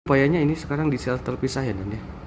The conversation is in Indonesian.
supaya ini sekarang di sel terpisah ya nandya